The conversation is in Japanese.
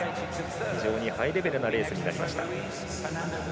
非常にハイレベルなレースになりました。